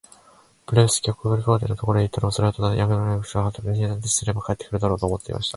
ブレフスキュ国皇帝のところへ行ったのは、それはただ、前の約束をはたすために行ったので、二三日すれば帰って来るだろう、と思っていました。